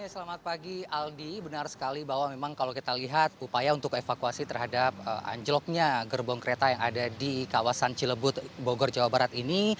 selamat pagi aldi benar sekali bahwa memang kalau kita lihat upaya untuk evakuasi terhadap anjloknya gerbong kereta yang ada di kawasan cilebut bogor jawa barat ini